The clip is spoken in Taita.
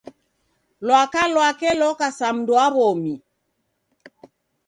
Lwaka lwake loka sa mundu wa w'omi.